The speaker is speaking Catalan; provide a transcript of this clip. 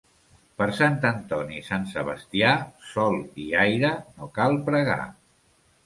Per Sant Antoni i Sant Sebastià, sol i aire no cal pregar.